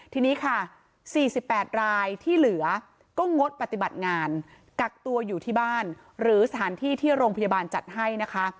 ทีนี้ค่ะ๔๘รายที่เหลือก็งดปฏิบัติงานกักตัวอยู่ที่บ้านหรือสถานที่ที่โรงพยาบาลจัดให้นะคะ